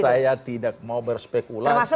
saya tidak mau berspekulasi